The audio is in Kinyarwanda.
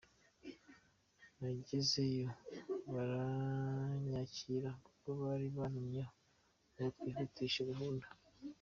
Nagezeyo baranyakira kuko bari bantumyeho ngo twihutishe gahunda.